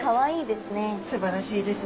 すばらしいですね